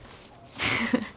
フフフ。